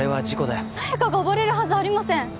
沙耶香が溺れるはずありません